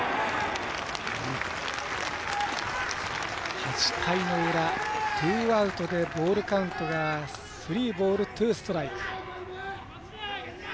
８回の裏、ツーアウトでボールカウントがスリーボール、ツーストライク。